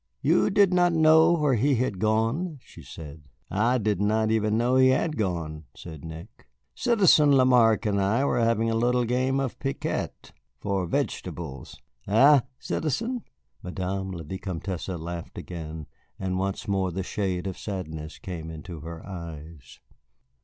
"You did not know where he had gone?" she said. "I did not even know he had gone," said Nick. "Citizen Lamarque and I were having a little game of piquet for vegetables. Eh, citizen?" Madame la Vicomtesse laughed again, and once more the shade of sadness came into her eyes.